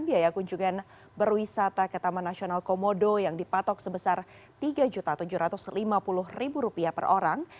biaya kunjungan berwisata ke taman nasional komodo yang dipatok sebesar rp tiga tujuh ratus lima puluh per orang